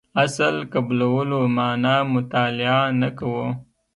اصل قبلولو معنا مطالعه نه کوو.